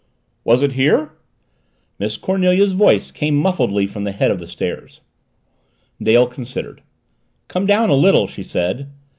"Was it here?" Miss Cornelia's voice came muffledly from the head of the stairs. Dale considered. "Come down a little," she said.